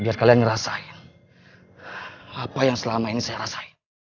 biar kalian ngerasain apa yang selama ini saya rasain